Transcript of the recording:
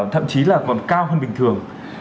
thậm chí là còn cao hơn bình thường